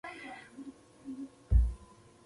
ښتې د افغانانو د ژوند طرز اغېزمنوي.